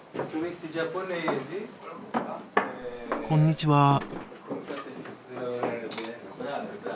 こんにちは。